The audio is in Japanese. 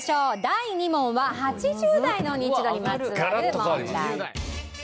第２問は８０代のニンチドにまつわる問題。